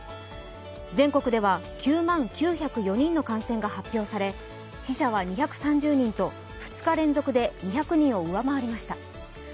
全国では９万９０４人の感染が発表され、死者は２３０人と２日連続で２００人を上回りました。